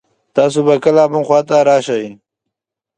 تاسو به کله مونږ خوا ته راشئ